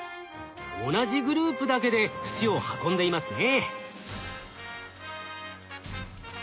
同じグループだけで土を運んでいますね。